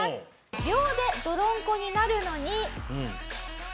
秒で泥んこになるのに。